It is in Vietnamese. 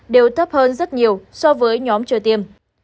đều thấp hơn rất nhiều so với nhóm chưa tiêm